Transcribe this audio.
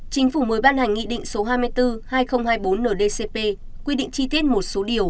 chính phủ mới ban hành nghị định số hai mươi bốn hai nghìn hai mươi bốn ndcp quy định chi tiết một số điều